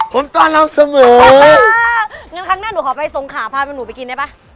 ผมตอนเราเสมองั้นครั้งหน้าหนูขอไปทรงขาพาหนูไปกินได้ป่ะ